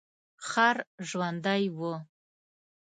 ښار ژوندی و.